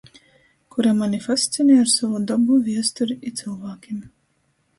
Kura mani fascinej ar sovu dobu, viesturi i cylvākim.